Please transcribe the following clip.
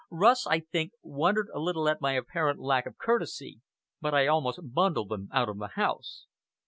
Rust, I think, wondered a little at my apparent lack of courtesy; but I almost bundled them out of the house.